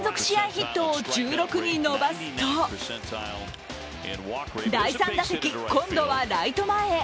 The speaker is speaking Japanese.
ヒットを１６に伸ばすと第３打席、今度はライト前へ。